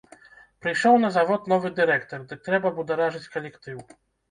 Прыйшоў на завод новы дырэктар, дык трэба бударажыць калектыў.